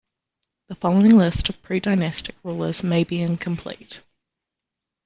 The following list of predynastic rulers may be incomplete.